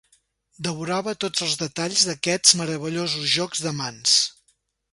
Devorava tots els detalls d'aquests meravellosos jocs de mans.